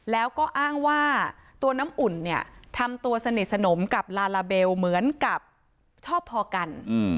แล้วก็อ้างว่าตัวน้ำอุ่นเนี่ยทำตัวสนิทสนมกับลาลาเบลเหมือนกับชอบพอกัน